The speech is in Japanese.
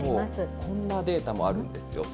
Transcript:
こんなデータもあります。